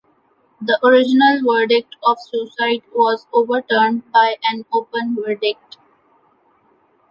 The original verdict of suicide was overturned by an open verdict.